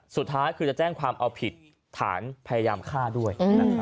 สุดท้ายคือจะแจ้งความเอาผิดฐานพยายามฆ่าด้วย